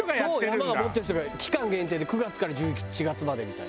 山を持ってる人が期間限定で９月から１１月までみたい。